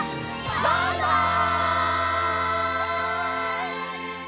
バイバイ！